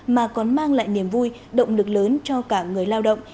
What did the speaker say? mà còn mang lại niềm vui động lực lớn cho cả người lao động